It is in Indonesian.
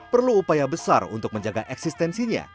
perlu upaya besar untuk menjaga eksistensinya